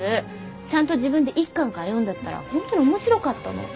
ちゃんと自分で一巻から読んでったら本当に面白かったの。